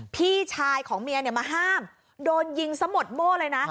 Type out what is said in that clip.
พี่ชายของเมียเนี่ยมาห้ามโดนยิงสะหมดโม่เลยนะ